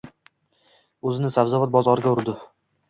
O‘zini sabzavot bozoriga urdi